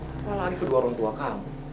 apalagi kedua orang tua kami